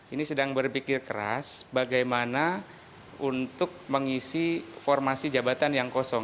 ini sedang berpikir keras bagaimana untuk mengisi formasi jabatan yang kosong